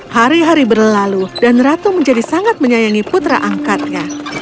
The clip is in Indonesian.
hari hari berlalu dan ratu menjadi sangat menyayangi putra angkatnya